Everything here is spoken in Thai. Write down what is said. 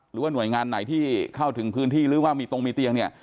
หรือว่าหน่วยงานไหนที่เข้าถึงพื้นที่หรือว่ามีตรงมีเตียงเนี่ย